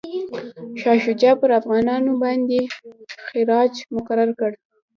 شاه شجاع پر افغانانو باندي خراج مقرر کړ.